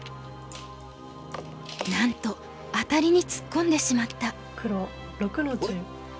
なんとアタリに突っ込んでしまった！